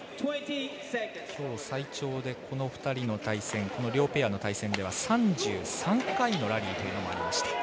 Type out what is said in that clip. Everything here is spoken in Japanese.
きょう、最長でこの両ペアの対戦では３３回のラリーというのがありました。